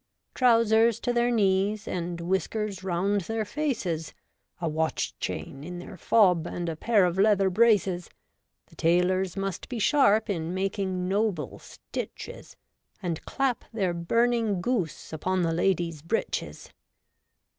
Trousers to their knees. And whiskers round their faces ; A watch chain in their fob. And a pair of leather braces. The tailors must be sharp In making noble stitches. And clap their burning goose Upon the ladies' breeches.